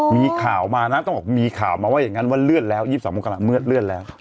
มีข่าวมานะต้องมีข่าวมาว่าเลื่อนแล้ว๒๒โมงกรัมเมื่อเลื่อนแล้ว